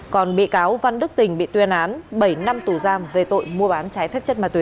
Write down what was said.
còn bị cáo văn đức tình bị tuyên án bảy năm tù giam về tội mua bán trái phép chất ma túy